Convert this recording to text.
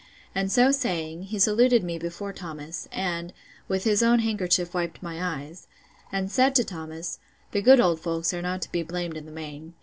And so saying, he saluted me before Thomas, and with his own handkerchief wiped my eyes; and said to Thomas, The good old folks are not to be blamed in the main.